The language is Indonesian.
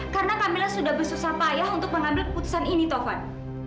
karena kamila sudah bersusah payah untuk mengambil keputusan ini tovan